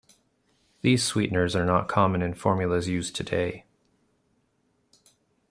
These sweeteners are not common in formulas used today.